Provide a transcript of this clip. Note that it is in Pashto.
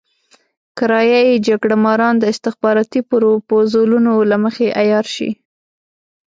کرايه يي جګړه ماران د استخباراتي پروپوزلونو له مخې عيار شي.